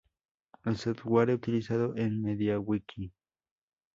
El software utilizado es MediaWiki.